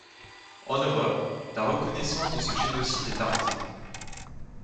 En Europe, la reconnaissance de ce génocide est tardive.